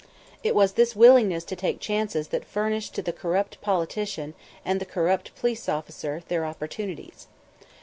It was this willingness to take chances that furnished to the corrupt politician and the corrupt police officer their opportunities.